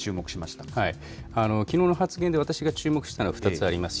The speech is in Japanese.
きのうの発言で私が注目したのは、２つあります。